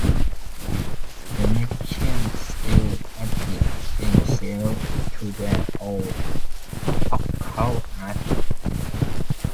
The magicians still addict themselves to their old occult arts.